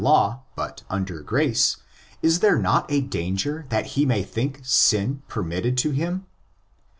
127 law, but under grace, is there not a danger that he may think sin permitted to him?